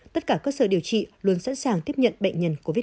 tất cả cơ sở điều trị luôn sẵn sàng tiếp nhận bệnh nhân covid một mươi chín